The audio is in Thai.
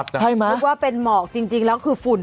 ใช่ไหมพูดว่าเป็นหมอกจริงแล้วคือฝุ่น